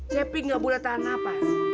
cepi ga boleh tahan nafas